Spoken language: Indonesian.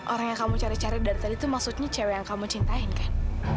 orang yang kamu cari cari dari tadi tuh maksudnya cewek yang kamu cintain kan